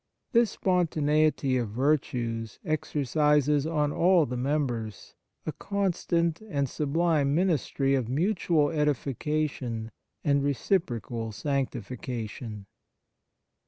This spontaneity of virtues exercises on all the members a constant and sublime ministry of mutual edification and reciprocal sanctifi cation.